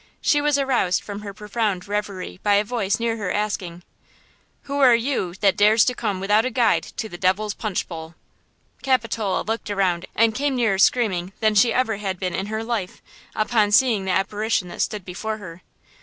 She was aroused from her profound reverie by a voice near her asking: "Who are you, that dares to come without a guide to the Devil's Punch Bowl?" Capitola looked around and came nearer screaming than she ever had been in her life, upon seeing the apparition that stood before her.